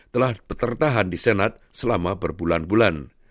telah tertahan di senat selama berbulan bulan